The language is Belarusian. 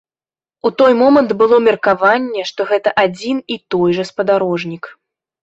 У той момант было меркаванне, што гэта адзін і той жа спадарожнік.